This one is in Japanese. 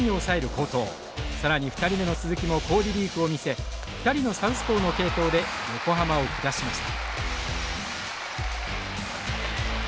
更に２人目の鈴木も好リリーフを見せ２人のサウスポーの継投で横浜を下しました。